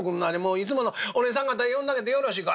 いつものお姐さん方呼んであげてよろしいか？」。